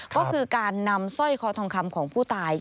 ก็คือการนำสร้อยคอทองคำของผู้ตาย